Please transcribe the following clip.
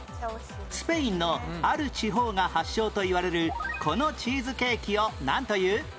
スペインのある地方が発祥といわれるこのチーズケーキをなんという？